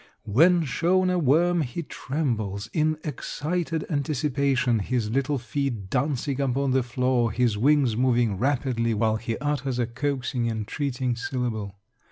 When shown a worm he trembles in excited anticipation, his little feet dancing upon the floor, his wings moving rapidly, while he utters a coaxing, entreating syllable.